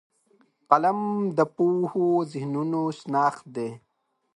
قلم د پوهو ذهنونو شناخت دی